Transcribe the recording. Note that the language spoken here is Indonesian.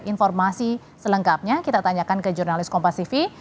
informasi selengkapnya kita tanyakan ke jurnalis kompasiv